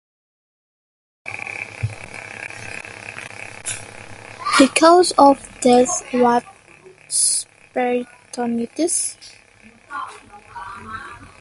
The cause of death was peritonitis.